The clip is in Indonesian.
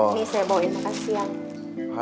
ini saya bawain makasih ya